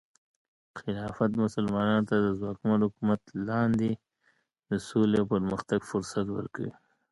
خلافت مسلمانانو ته د ځواکمن حکومت لاندې د سولې او پرمختګ فرصت ورکوي.